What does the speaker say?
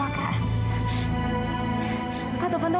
kolat kepalaku udah bener k mysab autumn